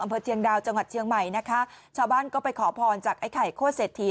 เชียงดาวจังหวัดเชียงใหม่นะคะชาวบ้านก็ไปขอพรจากไอ้ไข่โคตรเศรษฐี